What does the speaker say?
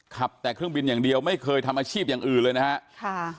ขับแต่เครื่องบินอย่างเดียวไม่เคยทำอาชีพอย่างอื่นเลยนะฮะค่ะ